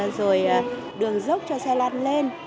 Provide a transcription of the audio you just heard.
rồi đường dốc cho xe lát lên